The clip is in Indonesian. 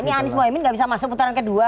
ini anies mohaimin gak bisa masuk putaran kedua